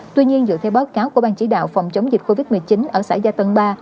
tuy nhiên dựa theo báo cáo của ban chỉ đạo phòng chống dịch covid một mươi chín ở xã gia tân ba